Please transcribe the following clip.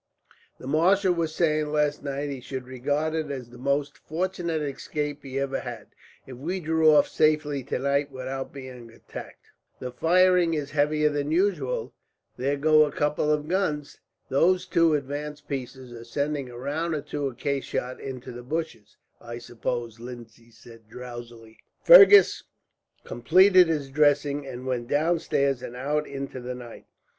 The marshal was saying, last night, he should regard it as the most fortunate escape he ever had, if we drew off safely tonight without being attacked. "That firing is heavier than usual. There go a couple of guns!" "Those two advanced pieces are sending a round or two of case shot into the bushes, I suppose," Lindsay said drowsily. Fergus completed his dressing, and went downstairs and out into the night.